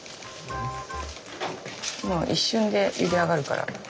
もう一瞬でゆで上がるから。